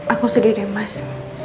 aku sedih deh mas